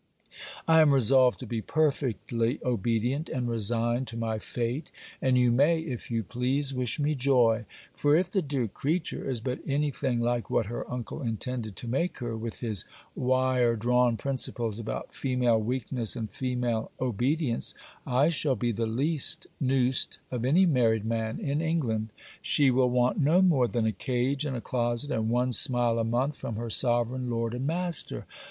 I am resolved to be perfectly obedient and resigned to my fate, and you may, if you please, wish me joy: for if the dear creature is but any thing like what her uncle intended to make her, with his wire drawn principles about female weakness and female obedience, I shall be the least noosed of any married man in England. She will want no more than a cage, and a closet, and one smile a month from her sovereign Lord and master.